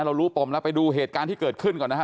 เรารู้ปมแล้วไปดูเหตุการณ์ที่เกิดขึ้นก่อนนะฮะ